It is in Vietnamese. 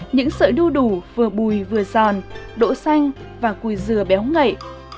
những sợi đu đủ vừa bùi vừa giòn đỗ xanh và cùi dừa béo ngậy